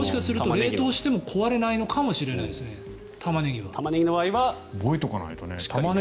冷凍しても壊れないのかもしれないですね。